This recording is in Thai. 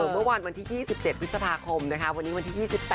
เมื่อวันวันที่๒๗วิศพาคมวันที่๒๘